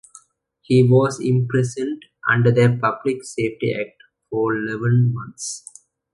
He was imprisoned under the Public Safety Act for eleven months.